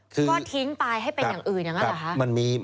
ก็ทิ้งไปให้เป็นอย่างอื่นอย่างนั้นเหรอคะ